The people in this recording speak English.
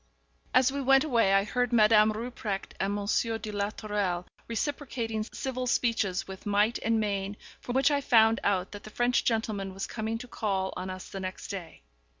As we went away, I heard Madame Rupprecht and Monsieur de la Tourelle reciprocating civil speeches with might and main, from which I found out that the French gentleman was coming to call on us the next day.